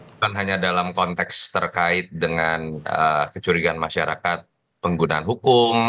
bukan hanya dalam konteks terkait dengan kecurigaan masyarakat penggunaan hukum